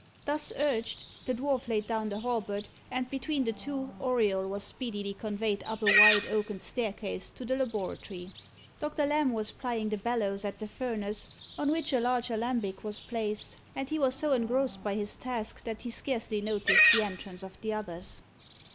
Thus urged, the dwarf laid down the halberd, and between the two, Auriol was speedily conveyed up a wide oaken staircase to the laboratory. Doctor Lamb was plying the bellows at the furnace, on which a large alembic was placed, and he was so engrossed by his task that he scarcely noticed the entrance of the others.